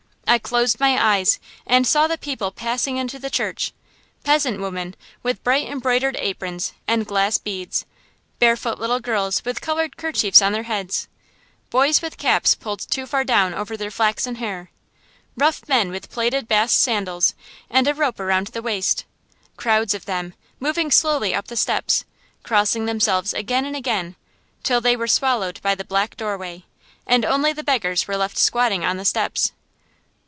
I closed my eyes, and saw the people passing into the church: peasant women with bright embroidered aprons and glass beads; barefoot little girls with colored kerchiefs on their heads; boys with caps pulled too far down over their flaxen hair; rough men with plaited bast sandals, and a rope around the waist, crowds of them, moving slowly up the steps, crossing themselves again and again, till they were swallowed by the black doorway, and only the beggars were left squatting on the steps.